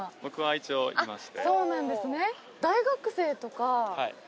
そうなんですね。